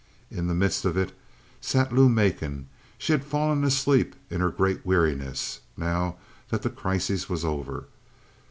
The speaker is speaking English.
In the midst of it sat Lou Macon. She had fallen asleep in her great weariness now that the crisis was over.